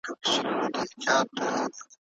دوه لسیان؛ شل کېږي.